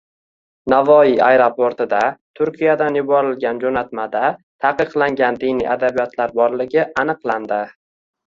Navoiy aeroportida Turkiyadan yuborilgan jo‘natmada taqiqlangan diniy adabiyotlar borligi aniqlandi